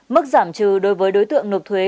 mức giảm trừ đối với đối tượng nộp thuế